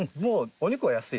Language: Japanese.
お肉は安い。